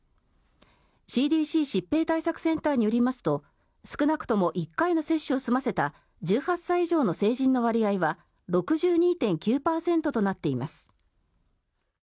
ＣＤＣ・疾病対策センターによりますと少なくとも１回の接種を済ませた１８歳以上の成人の割合は６２．９％となっています。